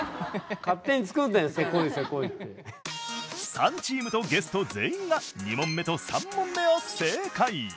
３チームとゲスト全員が２問目と３問目を正解！